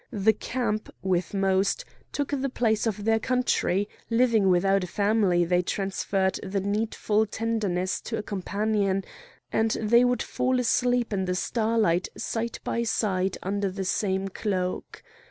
The camp, with most, took the place of their country; living without a family they transferred the needful tenderness to a companion, and they would fall asleep in the starlight side by side under the same cloak.